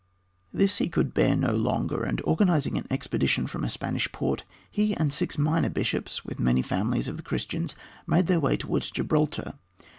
This he could bear no longer, and organizing an expedition from a Spanish port, he and six minor bishops, with many families of the Christians, made their way towards Gibraltar.